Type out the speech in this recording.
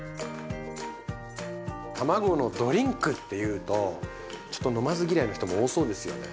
たまごのドリンクっていうとちょっと飲まず嫌いの人も多そうですよね。